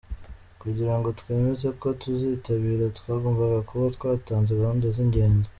Kugira ngo twemeze ko tuzitabira, twagombaga kuba twatanze gahunda z’ingendo.